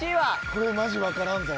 これマジわからんぞ。